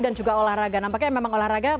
dan juga olahraga nampaknya memang olahraga